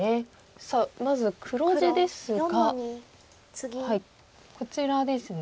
さあまず黒地ですがこちらですね。